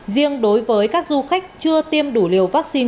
riêng đối với các du khách chưa tiêm đủ liều vắc xin